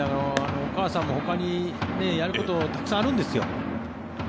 お母さんもほかにやることたくさんあるんですよ。